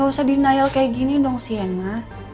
gak usah denial kayak gini dong sienna